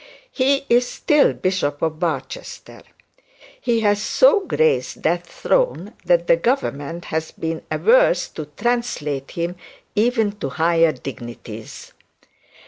He is still bishop of Barchester. He has so graced that throne, that the Government has been adverse to translate him, even to higher duties.